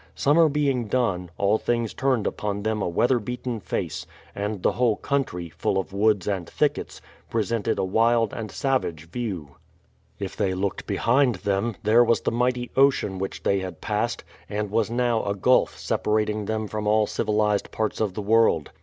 Summer being done, all things turned upon them a weather beaten face; and the whole country, full of woods and thickets, presented a wild and savage view. If they looked behind them, there was the mighty ocean which they had passed, and was now a gulf separating them from all civilized parts of the world.